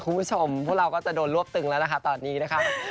พวกเราก็จะโดนรวบตึงแล้วนะคะตอนนี้นะคะ